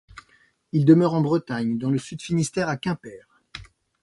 Il demeure en Bretagne, dans le Sud-Finistère, à Quimper.